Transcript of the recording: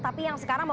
tapi yang sekarang